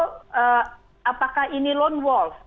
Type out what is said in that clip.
atau apakah ini lone wolf